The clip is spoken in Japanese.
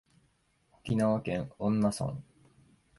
沖縄県恩納村